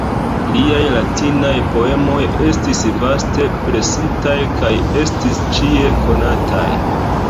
Liaj latinaj poemoj estis vaste presitaj kaj estis ĉie konataj.